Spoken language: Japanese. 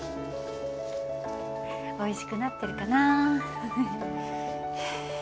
おいしくなってるかな。